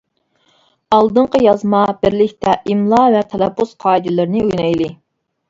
ئالدىنقى يازما: بىرلىكتە ئىملا ۋە تەلەپپۇز قائىدىلىرىنى ئۆگىنەيلى!